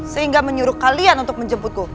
sehingga menyuruh kalian untuk menjemputku